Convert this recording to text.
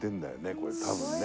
これ多分ね。